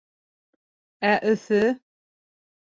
Ә Өфө!